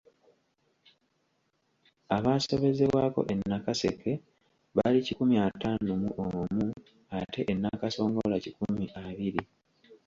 Abaasobezebwako e Nakaseke bali kikumi ataano mu omu ate e Nakasongola kikumi abiri.